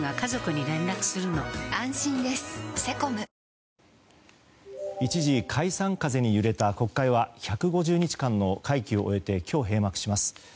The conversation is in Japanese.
ニトリ一時解散風に揺れた国会は１５０日間の会期を終えて今日、閉幕します。